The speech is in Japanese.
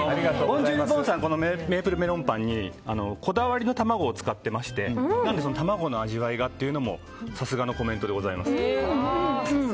ボンジュール・ボンさんはメープルメロンパンにこだわりの卵を使っていまして、なので卵の味わいがというのもさすがのコメントでございます。